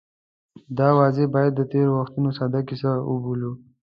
دا اوازې باید د تېرو وختونو ساده کیسه وبولو.